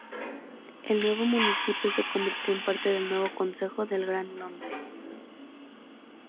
El nuevo municipio se convirtió en parte del nuevo Consejo del Gran Londres.